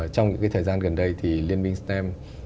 trong những thời gian gần đây thì liên minh stem